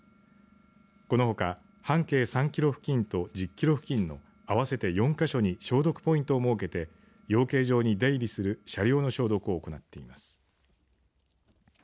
このほか半径３キロ付近と１０キロ付近の合わせて４か所に消毒ポイントを設けて養鶏場に出入りする車両の消毒を行っています。